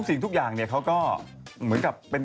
ก้มตูใต้เตียงหนูเหมือนมันเป็น